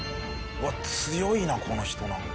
うわっ強いなこの人なんか。